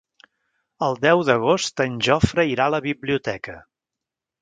El deu d'agost en Jofre irà a la biblioteca.